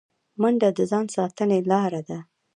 منډه د ځان ساتنې لاره ده